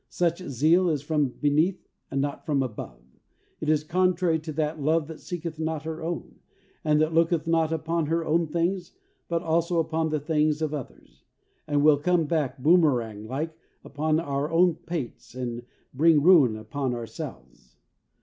Such zeal is from beneath and not from above. It is contrary to that "love that seeketh not her own," and that "looketh not upon her own things, but also upon the things of others," and will come back, boomerang like, upon our own pates, and bring ruin upon ourselves.